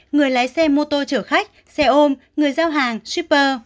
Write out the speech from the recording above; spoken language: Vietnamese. người lái xe mô tô chở khách xe ôm người giao hàng shipper